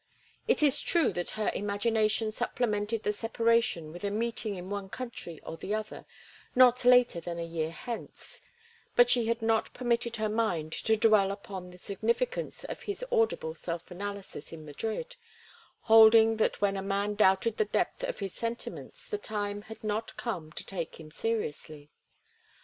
It is true that her imagination supplemented the separation with a meeting in one country or the other not later than a year hence, but she had not permitted her mind to dwell upon the significance of his audible self analysis in Madrid, holding that when a man doubted the depth of his sentiments the time had not come to take him seriously.